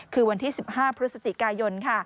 คือวันที่๑๕พฤศจิกายน